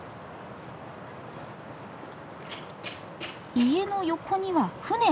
家の横には船！